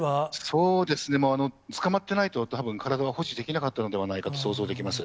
そうですね、もうつかまってないと、たぶん、体を保持できなかったのではないかと想像できます。